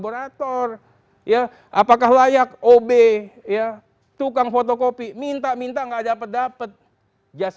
bebaskan teman teman saya